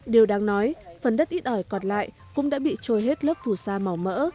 điều đáng nói phần đất ít ỏi còn lại cũng đã bị trôi hết lớp phủ sa màu mỡ